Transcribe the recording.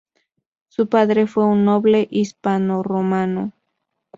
Su padre fue un noble hispanorromano.